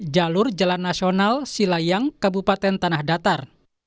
jalur jalan nasional silayang kabupaten tanah datar